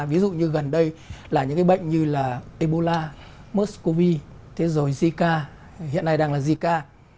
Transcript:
ví dụ như gần đây là những bệnh như là ebola mers cov rồi zika hiện nay đang là zika